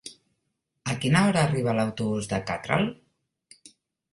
A quina hora arriba l'autobús de Catral?